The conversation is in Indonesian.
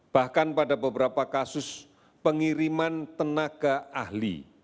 bahkan pada beberapa kasus pengiriman tenaga ahli